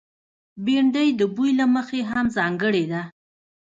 بېنډۍ د بوي له مخې هم ځانګړې ده